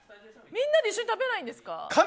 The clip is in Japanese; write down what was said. みんなで一緒に食べないんですか？